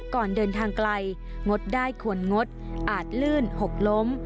ก่อนเดินทางไกลงดได้ควรงดอาจลื่นหกล้ม